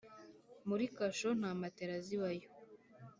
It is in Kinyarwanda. Muri kasho nta matera zibayo.